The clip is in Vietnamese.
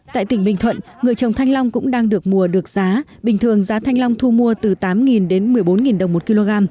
thanh long cũng đang được mùa được giá bình thường giá thanh long thu mua từ tám đến một mươi bốn đồng một kg